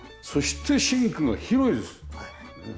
そしてシンクが広いです。